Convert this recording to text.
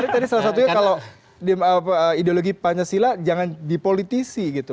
menurut saya salah satunya kalau ideologi pancasila jangan dipolitisikan gitu